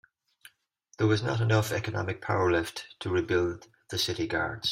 There was not enough economic power left to rebuild the city guards.